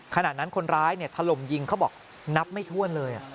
ขณะนั้นคนร้ายถล่มยิงเขาบอกนับไม่ถ้วนเลย